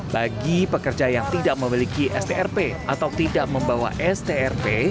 bagi pekerja yang tidak memiliki strp atau tidak membawa strp